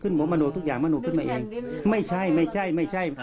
ขึ้นหมดมะโนทุกอย่างมะโนขึ้นมาเองไม่ใช่ไม่ใช่ไม่ใช่